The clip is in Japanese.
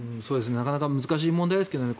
なかなか難しい問題ですけどね。